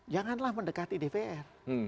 janganlah mendekati dpr